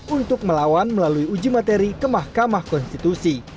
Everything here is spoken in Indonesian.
untuk melawan melalui uji materi ke mahkamah konstitusi